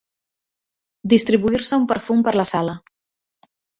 Distribuir-se un perfum per la sala.